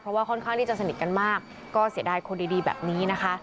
เพราะว่าค่อนข้างที่จะสนิทกันมากก็เสียดายคนดีแบบนี้นะคะ